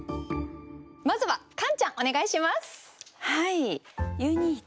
まずはカンちゃんお願いします。